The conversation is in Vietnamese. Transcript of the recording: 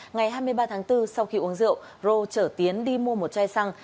ngày hai mươi ba tháng bốn sau khi uống rượu rô chở tiến đi mua một chai xăng